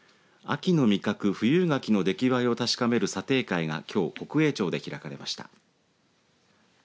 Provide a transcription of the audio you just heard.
秋の味覚、富有柿の出来栄えを確かめる査定会が、きょう北栄町で開かれました。